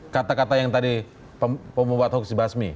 kata kata yang tadi pembuat hoax dibasmi